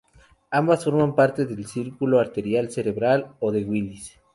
Ambas forman parte del círculo arterial cerebral o "de Willis".